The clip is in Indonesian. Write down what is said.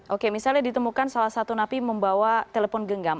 oke misalnya ditemukan salah satu napi membawa telepon genggam